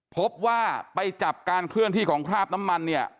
พบว่าไปจับการเคลื่อนที่ของคราบน้ำมันเนี่ย